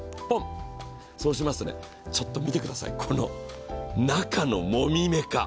そうしますと、ちょっと見てください、この中のもみメカ。